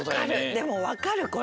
でもわかるこれ。